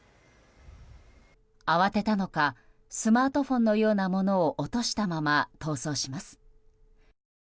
慌てたのかスマートフォンのようなものを落としたまま逃走します。